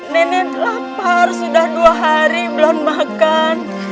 nenek lapar sudah dua hari belum makan